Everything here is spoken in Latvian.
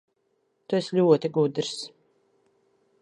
Tu esi ļoti gudrs.